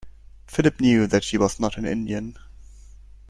Philip knew that she was not an Indian.